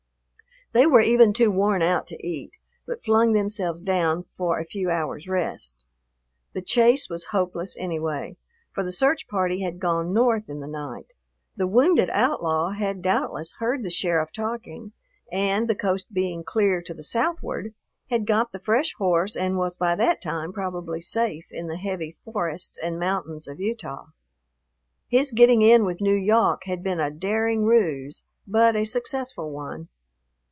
They were even too worn out to eat, but flung themselves down for a few hours' rest. The chase was hopeless anyway, for the search party had gone north in the night. The wounded outlaw had doubtless heard the sheriff talking and, the coast being clear to the southward, had got the fresh horse and was by that time probably safe in the heavy forests and mountains of Utah. His getting in with N'Yawk had been a daring ruse, but a successful one.